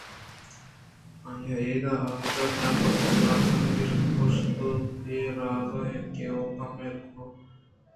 آئی ءِ اِدا آہگءَبناربس ءِ کلاسانی گرگ ءِ پشتءَ اے راز اِنت کہ اولگا مہر ءِ گنوک اِنت ءُ کاف ءِدل ءَ پر آئی ءَ